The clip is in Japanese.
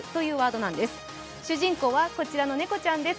主人公はこちらの猫ちゃんです。